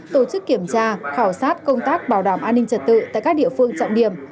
tổ chức kiểm tra khảo sát công tác bảo đảm an ninh trật tự tại các địa phương trọng điểm